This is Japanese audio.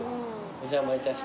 お邪魔いたしました。